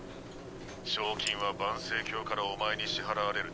賞金は盤星教からお前に支払われる